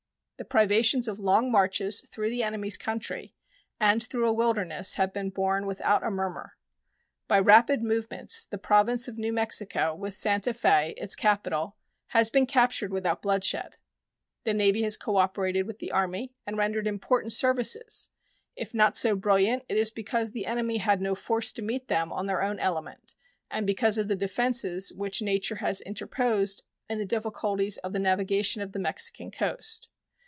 The privations of long marches through the enemy's country and through a wilderness have been borne without a murmur. By rapid movements the Province of New Mexico, with Santa Fe, its capital, has been captured without bloodshed. The Navy has cooperated with the Army and rendered important services; if not so brilliant, it is because the enemy had no force to meet them on their own element and because of the defenses which nature has interposed in the difficulties of the navigation on the Mexican coast.